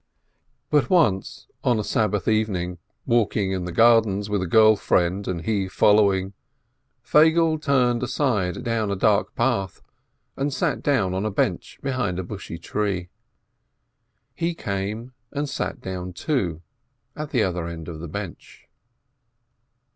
But once, on a Sabbath evening, walking in the gardens with a girl friend, and he following, Feigele turned aside down a dark path, and sat down on a bench behind a bushy tree. He came and sat down, too, at the other end of the bench.